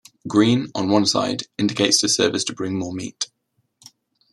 Green, on one side, indicates to servers to bring more meat.